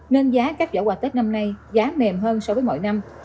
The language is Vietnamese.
nên giá các giỏ quà tết năm nay giá mềm hơn so với mọi năm